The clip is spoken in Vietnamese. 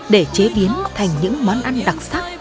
để chế biến thành những món ăn đặc sản